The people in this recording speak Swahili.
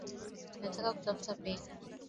Nataka kutafuta pesa